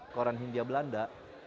menurut koran hindia belanda